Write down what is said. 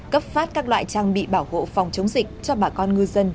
cấp phát các loại trang bị bảo hộ phòng chống dịch cho bà con ngư dân